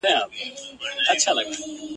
له ژوندانه څخه بېلګي را يو ځای کړې